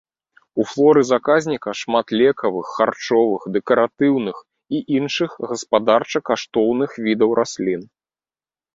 У флоры заказніка шмат лекавых, харчовых, дэкаратыўных і іншых гаспадарча-каштоўных відаў раслін.